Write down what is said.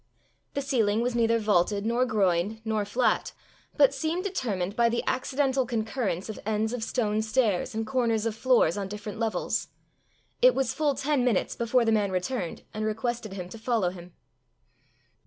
The ceiling was neither vaulted nor groined nor flat, but seemed determined by the accidental concurrence of ends of stone stairs and corners of floors on different levels. It was full ten minutes before the man returned and requested him to follow him.